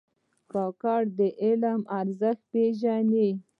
کاکړ د علم ارزښت پېژني.